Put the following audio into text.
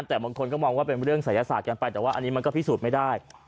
แต่บางคนก็มองว่าเป็นเรื่องศัยศาสตร์กันไปแต่ว่าอันนี้มันก็พิสูจน์ไม่ได้